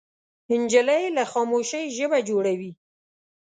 نجلۍ له خاموشۍ ژبه جوړوي.